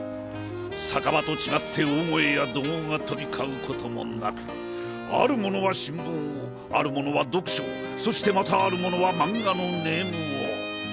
酒場と違って大声や怒号が飛び交うこともなくある者は新聞をある者は読書をそしてまたある者はマンガのネームを。